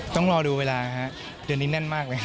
ต้องรอดูเวลาครับเดือนนี้แน่นมากเลย